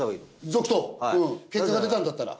結果が出たんだったら。